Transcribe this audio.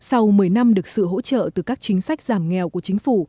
với năm được sự hỗ trợ từ các chính sách giảm nghèo của chính phủ